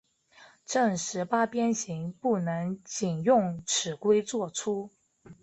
正十八边形不能仅用尺规作出。